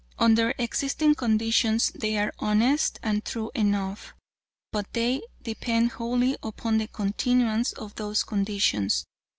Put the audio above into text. Under existing conditions they are honest and true enough, but they depend wholly upon the continuance of those conditions.